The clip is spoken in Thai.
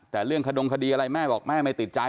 แต่เรื่องขนดงคดีแม่บอกไม่ติดใจ